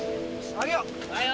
上げよう。